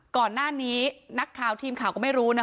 ก่อนหน้านี้นักข่าวทีมข่าวก็ไม่รู้นะคะ